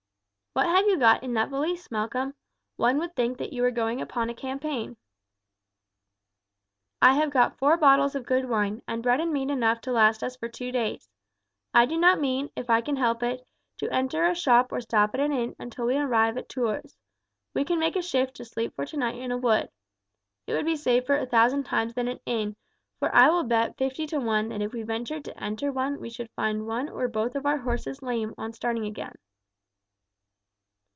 "What have you got in that valise, Malcolm? One would think that you were going upon a campaign." "I have got four bottles of good wine, and bread and meat enough to last us for two days. I do not mean, if I can help it, to enter a shop or stop at an inn till we arrive at Tours. We can make a shift to sleep for tonight in a wood. It would be safer a thousand times than an inn, for I will bet fifty to one that if we ventured to enter one we should find one or both of our horses lame on starting again."